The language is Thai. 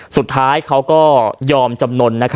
สุดท้ายเขาก็ยอมจำนวน